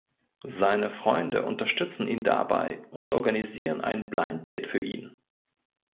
Seine Freunde unterstützen ihn dabei und organisieren ein Blind Date für ihn.